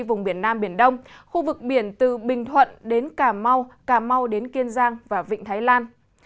vùng biển nam biển đông khu vực biển từ bình thuận đến cà mau cà mau đến kiên giang và vịnh thái lan